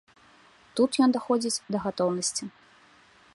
Тут ён даходзіць да гатоўнасці.